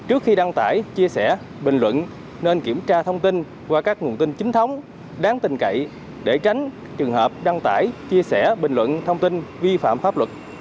trước khi đăng tải chia sẻ bình luận nên kiểm tra thông tin qua các nguồn tin chính thống đáng tình cậy để tránh trường hợp đăng tải chia sẻ bình luận thông tin vi phạm pháp luật